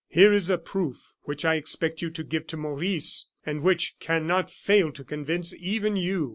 Here is a proof, which I expect you to give to Maurice, and which cannot fail to convince even you."